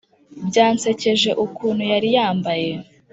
byansekeje ukuntu yari yambaye